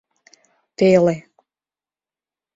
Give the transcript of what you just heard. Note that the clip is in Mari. ТЕЛЕ